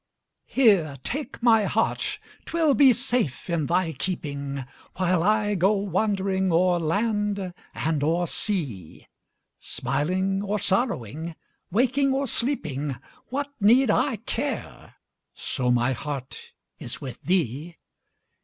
Here, take my heart 'twill be safe in thy keeping, While I go wandering o'er land and o'er sea; Smiling or sorrowing, waking or sleeping, What need I care, so my heart is with thee?